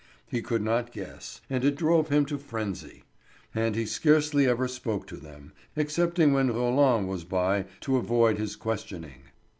He could not guess, and it drove him to frenzy. And he scarcely ever spoke to them, excepting when Roland was by, to avoid his questioning.